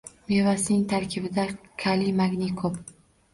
Mevasining tarkibida kaliy, magniy ko'p